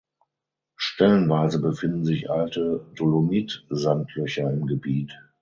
Stellenweise befinden sich alte Dolomitsandlöcher im Gebiet.